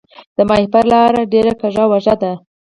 د ماهیپر لاره ډیره کږه وږه ده